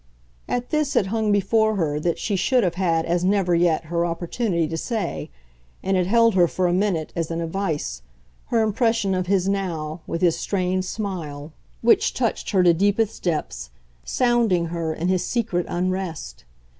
At this it hung before her that she should have had as never yet her opportunity to say, and it held her for a minute as in a vise, her impression of his now, with his strained smile, which touched her to deepest depths, sounding her in his secret unrest.